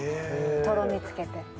とろみつけて。